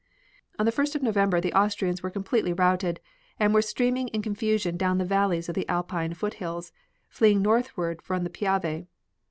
On the 1st of November the Austrians were completely routed, and were streaming in confusion down the valleys of the Alpine foothills, and fleeing northward from the Piave.